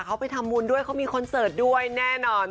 เขาไปทำบุญด้วยเขามีคอนเสิร์ตด้วยแน่นอน